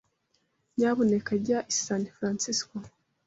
Nyamuneka jya i San Francisco.